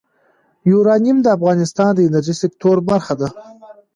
یورانیم د افغانستان د انرژۍ سکتور برخه ده.